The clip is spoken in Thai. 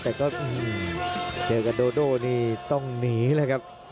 แต่ก็เจอกับโดโดนี่ต้องหนีเลยครับ